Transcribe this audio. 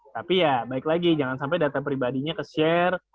tapi ya baik lagi jangan sampai data pribadinya keshare